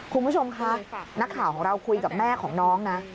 คุณผู้ชมคะนักข่าวของเราคุยกับแม่ของน้องนะ